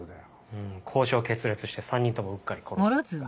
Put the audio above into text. うん交渉決裂して３人ともうっかり殺したとか？